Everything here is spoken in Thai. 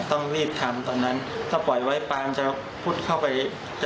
ต้องรีบทำตอนนั้นถ้าปล่อยไว้ปานจะพุดเข้าไป